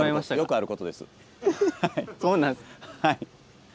はい。